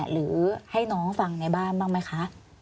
หรือให้น้องฟังในบ้านบ้างไหมคะ